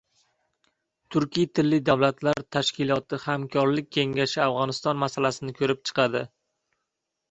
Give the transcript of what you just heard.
Turkiy tilli davlatlar hamkorlik kengashi Afg‘oniston masalasini ko‘rib chiqadi